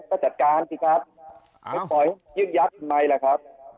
ก็จัดการสิครับไม่ปล่อยยึกยักษ์ทำไมล่ะครับ